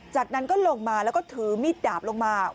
จากนั้นก็ลงมาแล้วก็ถือมีดดาบลงมา